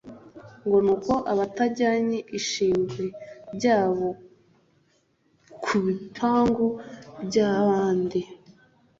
ngo ni uko abatajyanye ibishingwe byabo ku bipangu by’abandi